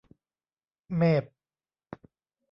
เมพ !